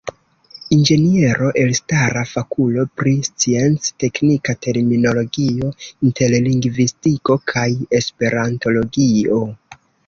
Inĝeniero, elstara fakulo pri scienc-teknika terminologio, interlingvistiko kaj esperantologio.